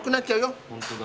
本当だ。